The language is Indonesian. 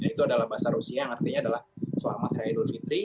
itu adalah bahasa rusia yang artinya adalah selamat raya idul fitri